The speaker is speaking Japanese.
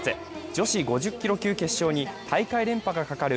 女子５０キロ級決勝に大会連覇がかかる